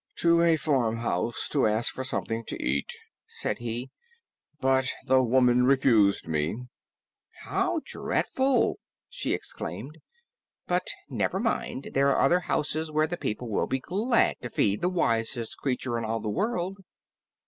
"To a farmhouse to ask for something to eat," said he, "but the woman refused me." "How dreadful!" she exclaimed. "But never mind, there are other houses where the people will be glad to feed the Wisest Creature in all the World."